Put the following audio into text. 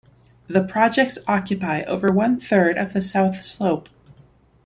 The projects occupy over one third of the South Slope.